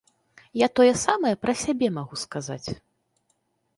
Я тое самае пра сябе магу сказаць.